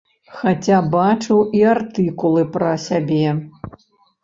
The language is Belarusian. Хаця бачыў і артыкулы пра сябе.